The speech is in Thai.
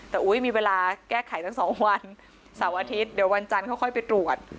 แต่อุ๊ยมีเวลาแก้ไขตั้ง๒วันเสาร์อาทิตย์เดี๋ยววันจันทร์ค่อยไปตรวจ